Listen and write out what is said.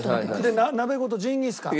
鍋ごとジンギスカン。